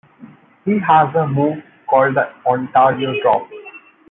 He has a move called the Ontario drop.